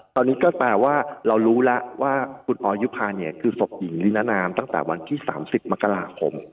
ตอนนี้ก็แปลว่าเรารู้แล้วว่าคุณออยุภาเนี่ยคือศพหญิงลีนานามตั้งแต่วันที่๓๐มกราคม